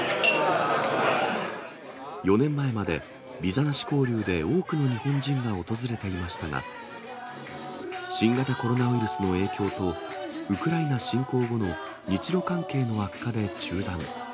４年前までビザなし交流で多くの日本人が訪れていましたが、新型コロナウイルスの影響と、ウクライナ侵攻後の日ロ関係の悪化で中断。